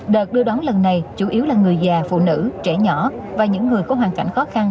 đợt đưa đón lần này chủ yếu là người già phụ nữ trẻ nhỏ và những người có hoàn cảnh khó khăn